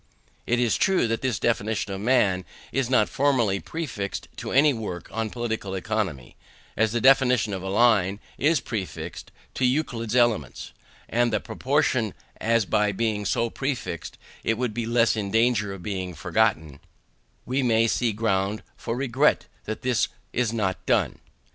It is true that this definition of man is not formally prefixed to any work on Political Economy, as the definition of a line is prefixed to Euclid's Elements; and in proportion as by being so prefixed it would be less in danger of being forgotten, we may see ground for regret that this is not done.